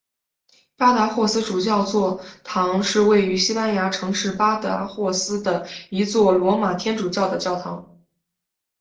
巴达霍斯主教座堂是位于西班牙城市巴达霍斯的一座罗马天主教的教堂。